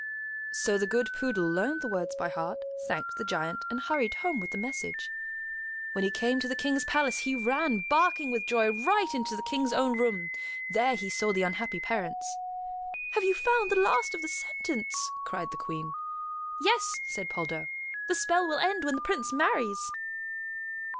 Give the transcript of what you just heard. So the good poodle learned the words by heart, thanked the Giant, and hurried home with the message. When he came to the King's palace, he ran, barking with joy, right into the King's own room. There he saw the unhappy parents. "Have you found the last of the sentence?" cried the Queen. "Yes," said Poldo. "The spell will end when the prince marries."